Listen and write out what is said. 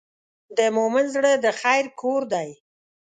د مؤمن زړه د خیر کور دی.